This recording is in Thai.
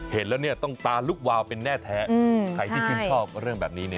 เห็นแล้วเนี่ยต้องตาลุกวาวเป็นแน่แท้ใครที่ชื่นชอบเรื่องแบบนี้เนี่ย